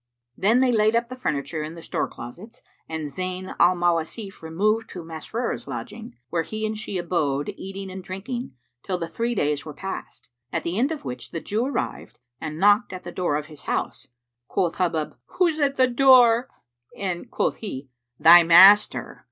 Then they laid up the furniture in the store closets, and Zayn al Mawasif removed to Masrur's lodging, where he and she abode eating and drinking, till the three days were past; at the end of which the Jew arrived and knocked at the door of his house. Quoth Hubub, "Who's at the door?"; and quoth he, "Thy master."